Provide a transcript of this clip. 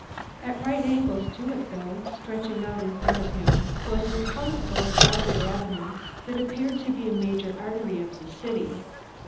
At right angles to it, though, stretching out in front of him, was a colorful, crowded avenue that appeared to be a major artery of the city.